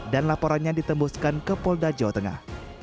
dan laporannya ditembuskan ke polda jawa tengah